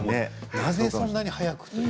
なぜそんなに早く？